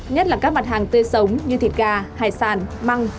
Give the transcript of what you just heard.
nhất là các mặt hàng tươi sống như thịt gà hải sản măng